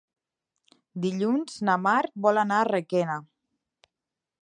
Dilluns na Mar vol anar a Requena.